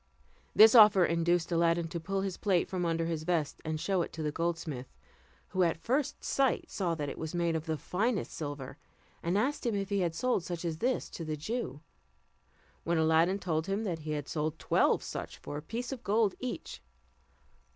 This offer induced Aladdin to pull his plate from tinder his vest and show it to the goldsmith; who at first sight saw that it was made of the finest silver, and asked him if he had sold such as that to the Jew; when Aladdin told him that he had sold him twelve such, for a piece of gold each.